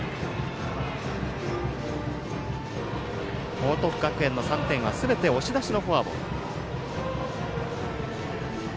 報徳学園の３点はすべて押し出しのフォアボール。